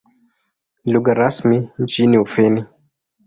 Ni lugha rasmi nchini Ufini.